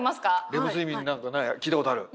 レム睡眠何かね聞いたことある。